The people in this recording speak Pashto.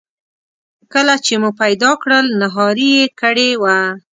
کله چې مو پیدا کړل نهاري یې کړې وه.